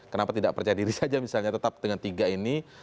kenapa tidak percaya diri saja misalnya tetap dengan tiga ini